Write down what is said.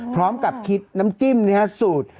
พร้อมกับคิดน้ำจิ้มเนี่ยครับสูตร